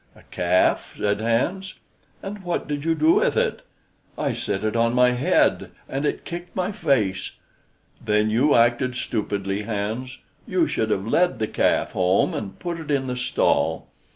"A calf," said Hans. "And what did you do with it?" "I set it on my head, and it kicked my face." "Then you acted stupidly, Hans; you should have led the calf home, and put it in the stall."